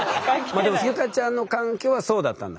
まあでも結香ちゃんの環境はそうだったんだ。